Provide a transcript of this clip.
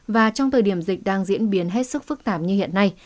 và trong thời điểm dịch đang diễn biến hết sức phức tạp như hiện nay